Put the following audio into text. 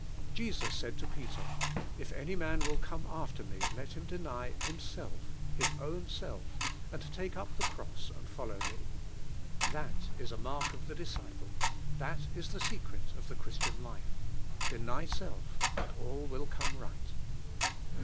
Jesus said to Peter: "If any man will come after me let him deny himself, his own self, and take up the cross and follow me." That is a mark of the disciple; 28 THE SELF LIFE that is the secret of the Christian life — deny self and all will come right.